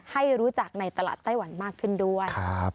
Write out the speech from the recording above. ให้รู้จักในตลาดไต้หวันมากขึ้นด้วย